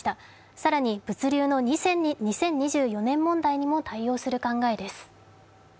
更に物流の２０２４年問題にも対応する考えです。